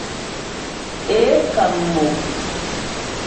Ě kam mo.